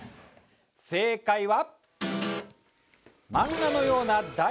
正解は。